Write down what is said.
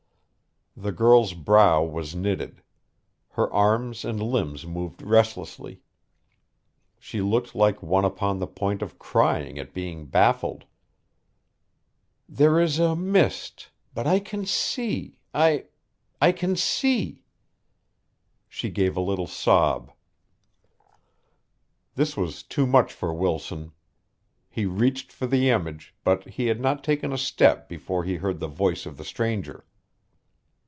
The girl's brow was knitted. Her arms and limbs moved restlessly. She looked like one upon the point of crying at being baffled. "There is a mist, but I can see I I can see " She gave a little sob. This was too much for Wilson. He reached for the image, but he had not taken a step before he heard the voice of the stranger.